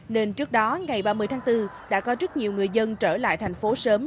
nên trước đó ngày ba mươi tháng bốn đã có rất nhiều người dân trở lại thành phố sớm